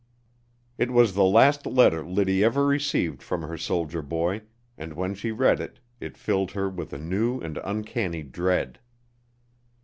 It was the last letter Liddy ever received from her soldier boy, and when she read it it filled her with a new and uncanny dread.